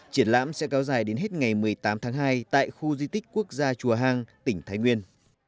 triển lãm sẽ kéo dài đến hết ngày một mươi tám tháng hai tại khu di tích quốc gia chùa hang tỉnh thái nguyên